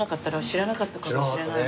知らなかったね。